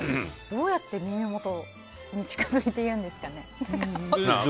どうやって耳元に近づいて言うんですかね。